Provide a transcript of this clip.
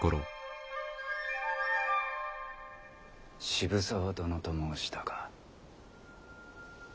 渋沢殿と申したか。